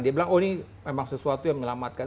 dia bilang oh ini memang sesuatu yang menyelamatkan